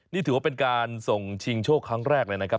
นี่ถือว่าเป็นการส่งชิงโชคครั้งแรกเลยนะครับ